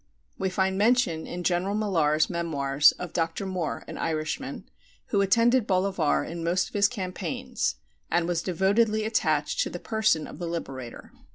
We find mention in General Millar's Memoirs of Dr. Moore, an Irishman, who attended Bolivar in most of his campaigns and was devotedly attached to the person of the Liberator.